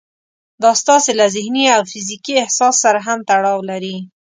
دا ستاسې له ذهني او فزيکي احساس سره هم تړاو لري.